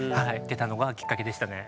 出たのがきっかけでしたね。